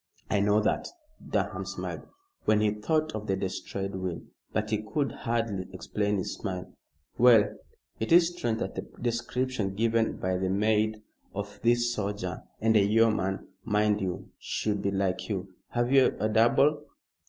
"I know that." Durham smiled when he thought of the destroyed will; but he could hardly explain his smile. "Well, it is strange that the description given by the maid of this soldier and a yeoman, mind you should be like you. Have you a double?"